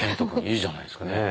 いいじゃないですかね。